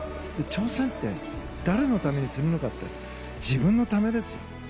挑戦って誰のためにするのかというと自分のためですよ。